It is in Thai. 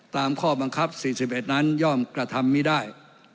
ตามข้อบังคับ๔๑นั้นย่อมกระทำไม่ได้